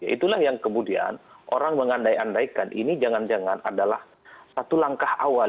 itulah yang kemudian orang mengandai andaikan ini jangan jangan adalah satu langkah awal